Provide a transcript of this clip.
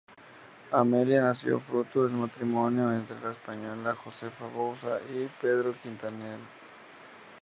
Amelia nació fruto del matrimonio entre la española Josefa Bouza y Pedro Quintela.